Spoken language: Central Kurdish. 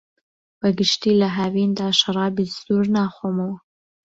بەگشتی لە هاویندا شەرابی سوور ناخۆمەوە.